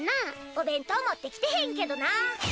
お弁当持ってきてへんけどな。